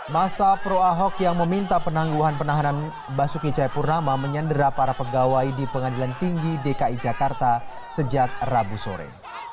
masa pro ahok yang meminta penangguhan penahanan basuki cahayapurnama menyandera para pegawai di pengadilan tinggi dki jakarta sejak rabu sore